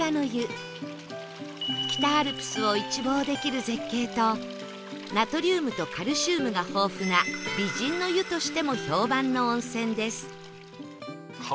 北アルプスを一望できる絶景とナトリウムとカルシウムが豊富な美人の湯としても評判の温泉です